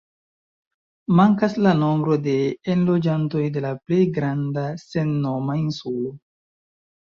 Mankas la nombro de enloĝantoj de la plej granda, sennoma insulo.